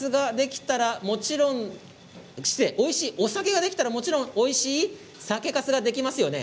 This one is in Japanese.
おいしいお酒ができたらもちろんおいしい酒かすができますよね。